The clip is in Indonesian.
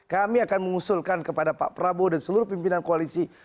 kami akan mengusulkan kepada pak prabowo dan seluruh pimpinan koalisi